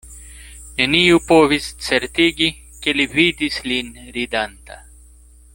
Neniu povis certigi, ke li vidis lin ridanta.